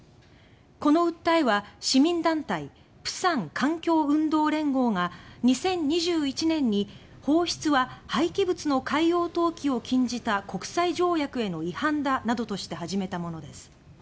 この裁判は市民団体「釜山環境運動連合」が２０２１年に「放出は廃棄物の海洋投棄を禁じた国際条約への違反だ」などとして始めたものです。